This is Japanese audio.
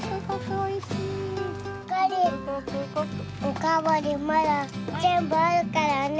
おかわりまだぜんぶあるからね。